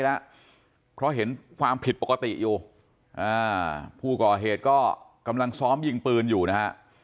แล้วเพราะเห็นความผิดปกติอยู่ผู้ก่อเหตุก็กำลังซ้อมยิงปืนอยู่นะฮะ